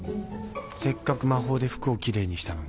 せっかく魔法で服をきれいにしたのに。